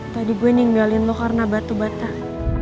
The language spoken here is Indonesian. tadi gue ninggalin lo karena batu batak